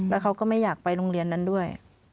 แล้วเขาก็ไม่อยากไปโรงเรียนนั้นด้วย